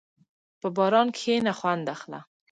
په باران کښېنه، خوند اخله.